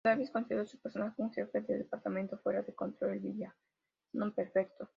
Davies consideró su personaje, "un jefe de departamento fuera de control", el villano perfecto.